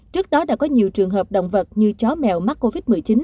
trước đó đã có nhiều trường hợp động vật như chó mèo mắc covid một mươi chín